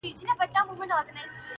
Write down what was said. وړې څپې له توپانونو سره لوبي کوي؛